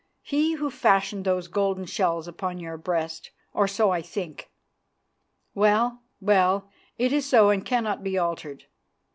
He who fashioned those golden shells upon your breast, or so I think. Well, well, it is so and cannot be altered.